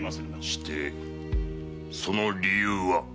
してその理由は？